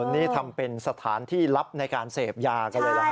นี่ทำเป็นสถานที่ลับในการเสพยากันเลยเหรอฮ